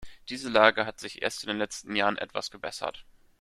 Diese Lage hat sich erst in den letzten Jahren etwas gebessert.